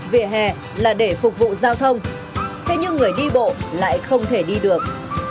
vỉa hè là để phục vụ giao thông thế nhưng người đi bộ lại không thể đi được